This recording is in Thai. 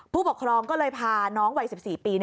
ผู้ปกครองก็เลยพาน้องวัย๑๔ปี